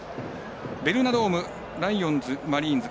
ベルーナドームライオンズ、マリーンズ